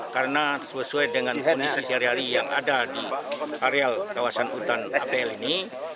karena sesuai dengan kondisi sehari hari yang ada di areal kawasan hutan apl ini